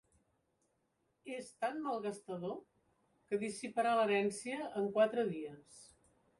És tan malgastador, que dissiparà l'herència en quatre dies.